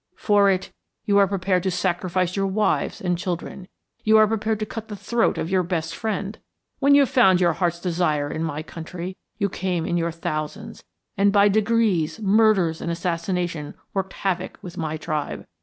For it you are prepared to sacrifice your wives and children, you are prepared to cut the throat of your best friend. When you found your heart's desire in my country, you came in your thousands, and by degrees murders and assassination worked havoc with my tribe.